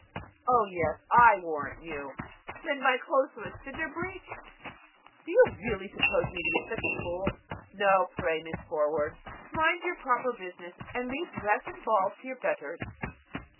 "Oh! yes, I warrant you; lend my clothes to a Cinderbreech! Do you really suppose me such a fool? No, no; pray, Miss Forward, mind your proper business, and leave dress and balls to your betters."